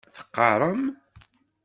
Teqqaṛem?